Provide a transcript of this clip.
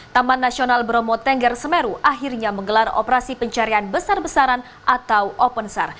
taman nasional bromo tengger semeru akhirnya menggelar operasi pencarian besar besaran atau open sar